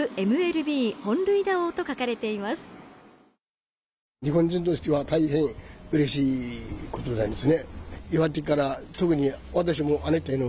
横断幕には「祝ＭＬＢ本塁打王」と書かれています。